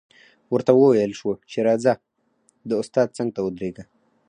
ورته وویل شول چې راځه د استاد څنګ ته ودرېږه